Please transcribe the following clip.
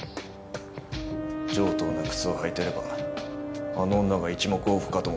上等な靴を履いてればあの女が一目置くかと思ってね。